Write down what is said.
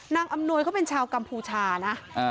อำนวยเขาเป็นชาวกัมพูชานะ